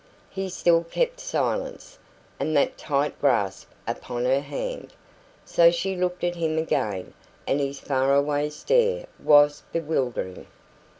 He still kept silence, and that tight grasp upon her hand. So she looked at him again; and his far away stare was bewildering.